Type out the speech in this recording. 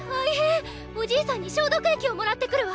おじいさんに消毒液を貰ってくるわ！